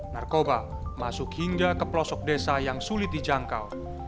narkoba masuk hingga ke pelosok desa yang sulit dijangkau